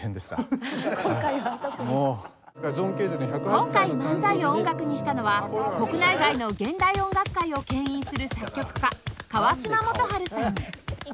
今回漫才を音楽にしたのは国内外の現代音楽界を牽引する作曲家川島素晴さん